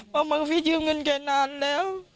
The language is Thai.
ว่าบังฟิศยืมเงินแกนานแล้ว